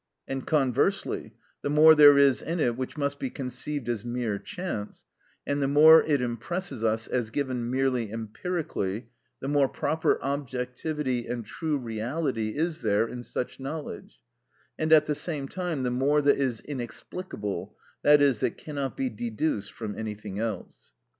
And conversely, the more there is in it which must be conceived as mere chance, and the more it impresses us as given merely empirically, the more proper objectivity and true reality is there in such knowledge, and at the same time, the more that is inexplicable, that is, that cannot be deduced from anything else.